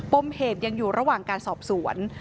มเหตุยังอยู่ระหว่างการสอบสวน